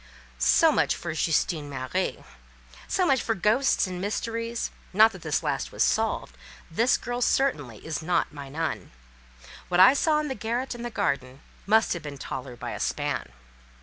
"So much for Justine Marie;" so much for ghosts and mystery: not that this last was solved—this girl certainly is not my nun: what I saw in the garret and garden must have been taller by a span.